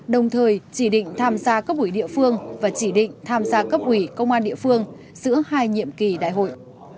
đồng thời chỉ định tham gia cấp ủy địa phương và chỉ định tham gia cấp ủy công an địa phương giữa hai nhiệm kỳ đại hội